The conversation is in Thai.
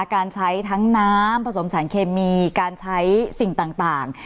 การใช้ทั้งน้ำผสมสารเคมีการใช้สิ่งต่าง